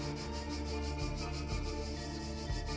hamba dikutuk oleh soekarno